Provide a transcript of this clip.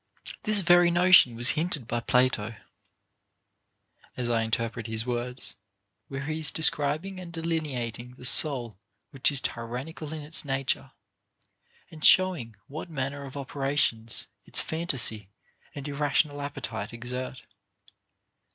This very notion was hinted by Plato f (as I interpret his words), where he is describing and delineating the soul which is tyrannical in its nature, and showing what manner of oper ations its fantasy and irrational appetite exert.